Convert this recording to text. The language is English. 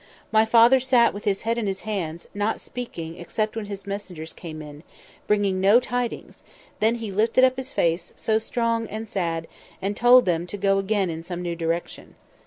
My father sat with his head in his hands, not speaking except when his messengers came in, bringing no tidings; then he lifted up his face, so strong and sad, and told them to go again in some new direction.